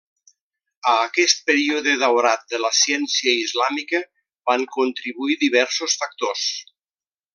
A aquest període daurat de la ciència islàmica van contribuir diversos factors.